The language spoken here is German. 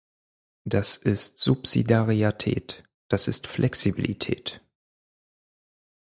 Das ist Subsidiarität, das ist Flexibilität.